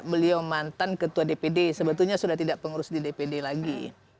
beliau mantan ketua dpd sebetulnya sudah tidak pengurus di dpd lagi